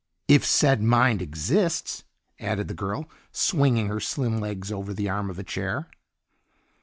"If said mind exists," added the girl, swinging her slim legs over the arm of a chair.